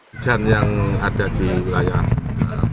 hujan yang ada di wilayah